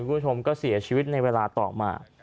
คุณผู้ชมก็เสียชีวิตในเวลาต่อมา